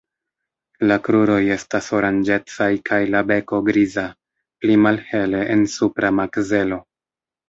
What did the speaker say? La kruroj estas oranĝecaj kaj la beko griza, pli malhele en supra makzelo.